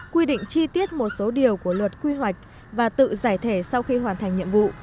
quy định chi tiết một số điều của luật quy hoạch và tự giải thể sau khi hoàn thành nhiệm vụ